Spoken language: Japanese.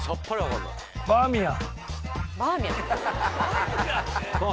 バーミヤン？